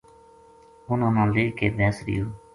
اُنھاں نا لے کے بیس رہیو